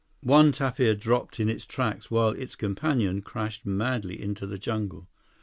One tapir dropped in its tracks, while its companion crashed madly into the jungle.